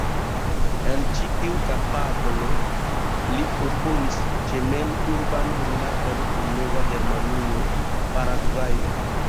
En ĉi tiu kapablo li proponis ĝemel-urban rilaton kun Nova Germanujo, Paragvajo.